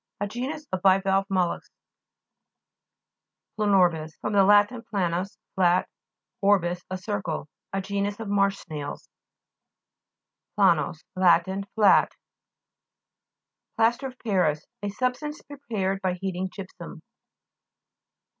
A genus of bivalve mollusks. PLANO'RBIS fr. lat. planus, flat, or bis, a circle. A genus of marsh snails (p. 83). PLA'NUS Lat. Flat. PLASTIC CLAY (p. 78). PLASTER OF PARIS A substance pre pared by heating gypsum.